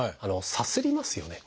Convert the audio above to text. さすりますよね。